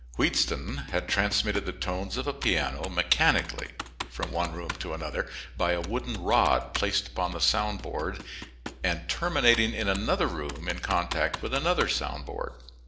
Wheatstone had transmitted the tones of a piano, mechanically, from one room to another by a wooden rod placed upon the sound board and terminating in another room in contact with another sound board.